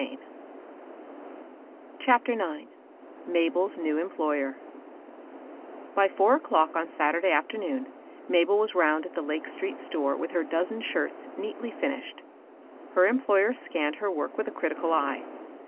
Page 96 CHAPTER EL Mabel's new emfloyeb* i Y four o'clock of Saturday afternoon, Mabel was round at the Lake street store with her dozen shuiis neatly finished* Her employer scanned her work with a critical eye.